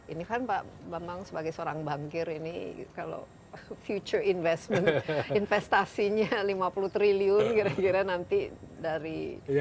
ini kan pak bambang sebagai seorang bankir ini kalau future investment investasinya lima puluh triliun kira kira nanti dari